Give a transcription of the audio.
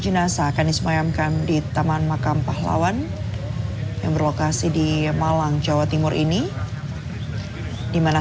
jenazah akan disemayamkan di taman makam pahlawan yang berlokasi di malang jawa timur ini dimana